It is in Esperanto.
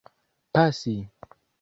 pasi